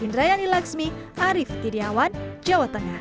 indrayani laksmi arief tidiawan jawa tengah